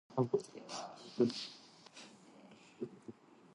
ショーシャンクの空に